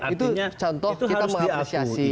itu contoh kita mengapresiasi